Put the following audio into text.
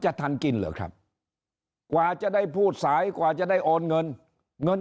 ทันกินเหรอครับกว่าจะได้พูดสายกว่าจะได้โอนเงินเงิน